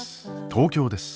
東京です。